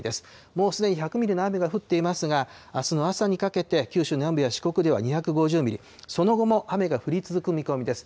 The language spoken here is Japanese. もうすでに１００ミリの雨が降っていますが、あすの朝にかけて九州南部や四国では２５０ミリ、その後も雨が降り続く見込みです。